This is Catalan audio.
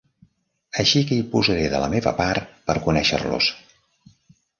Així que hi posaré de la meva part per conèixer-los.